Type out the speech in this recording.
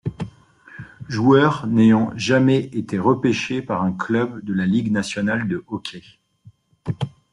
Joueur n'ayant jamais été repêché par un club de la Ligue nationale de hockey.